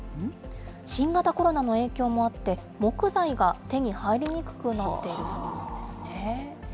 新型コロナの影響もあって、木材が手に入りにくくなっているそうなんですね。